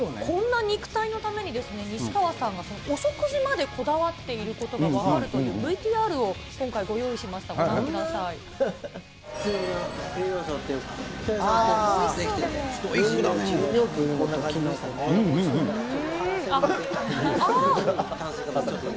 こんな肉体のために西川さんがお食事までこだわっていることが分かるというＶＴＲを今回、ご用意しました、ご覧ください。